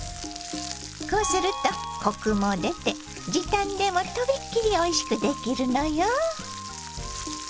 こうするとコクも出て時短でも飛びっ切りおいしくできるのよ。